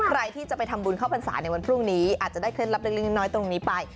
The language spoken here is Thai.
ใครที่จะไปทำบุญเข้าพรรษาในวันพรุ่งนี้อาจจะได้เคล็ดลับเล็กน้อยตรงนี้ไป